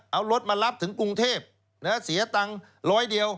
เอารถมารับถึงกรุงเทพเสียตังค์ร้อยเดียว